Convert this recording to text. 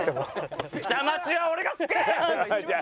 下町は俺が救う！